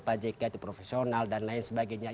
pak jk itu profesional dan lain sebagainya